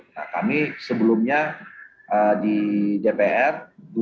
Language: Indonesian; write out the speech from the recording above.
nah kami sebelumnya di dpr